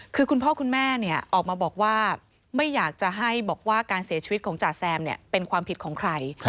คือคุณพ่อคุณแม่ออกมาบอกว่าไม่อยากจะให้บอกว่าการเสียชีวิตของจ่าแซมเป็นความผิดของใคร